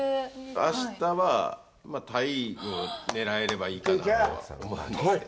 あしたは鯛を狙えればいいかなとは思うんですけどね。